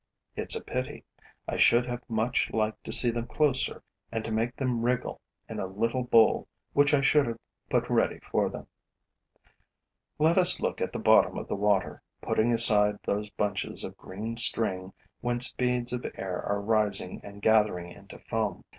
It's a pity: I should have much liked to see them closer and to make them wriggle in a little bowl which I should have put ready for them. Let us look at the bottom of the water, pulling aside those bunches of green string whence beads of air are rising and gathering into foam.